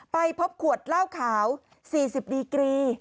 ไปพบขวดเหล้าขาว๔๐ดีกรี